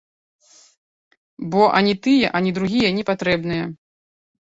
Бо ані тыя, ані другія не патрэбныя.